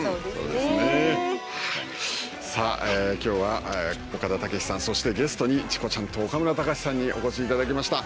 今日は岡田武史さんそしてゲストにチコちゃんと岡村隆史さんにお越しいただきました。